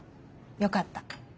よかった。